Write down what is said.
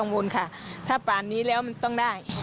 บุญค่ะถ้าป่านนี้แล้วมันต้องได้